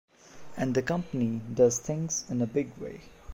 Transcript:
And the company does things in a big way.